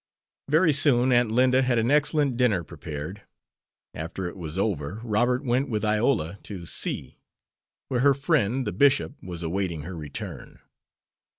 Very soon Aunt Linda had an excellent dinner prepared. After it was over Robert went with Iola to C , where her friend, the bishop, was awaiting her return.